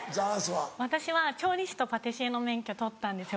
私は調理師とパティシエの免許取ったんですよ